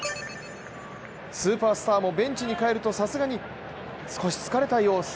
スーパースターもベンチに帰ると、さすがに、少し疲れた様子。